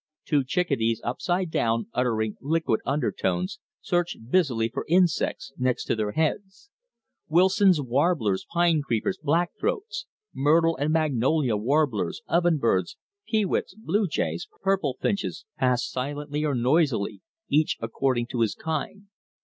Two chickadees upside down uttering liquid undertones, searched busily for insects next their heads. Wilson's warblers, pine creepers, black throats, myrtle and magnolia warblers, oven birds, peewits, blue jays, purple finches, passed silently or noisily, each according to his kind.